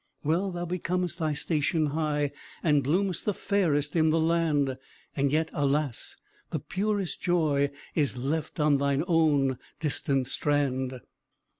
Well thou becom'st thy station high, And bloom'st the fairest in the land; And yet, alas! the purest joy Is left on thine own distant strand.